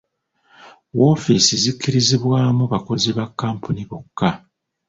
Woofiisi zikkirizibwamu bakozi ba kkampuni bokka.